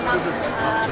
itu yang berapa